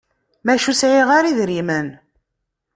Maca ur sεiɣ ara idrimen.